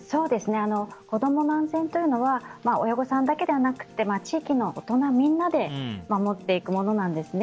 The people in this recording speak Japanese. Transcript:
子どもの安全というのは親御さんだけではなくて地域の大人みんなで守っていくものなんですね。